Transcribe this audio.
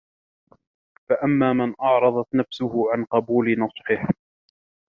فَأَمَّا مَنْ أَعْرَضَتْ نَفْسُهُ عَنْ قَبُولِ نُصْحِهِ